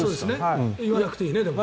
言わなくていいね。